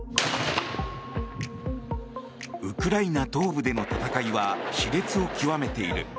ウクライナ東部での戦いは熾烈を極めている。